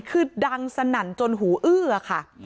คือดังสนั่นจนหูอื้อค่ะ